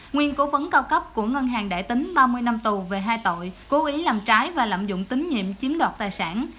nguyên cố vấn cao cấp của ngân hàng đại tín ba mươi năm tù về hai tội cố ý làm trái và lạm dụng tín nhiệm chiếm đoạt tài sản